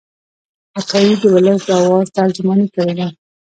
عطايي د ولس د آواز ترجماني کړې ده.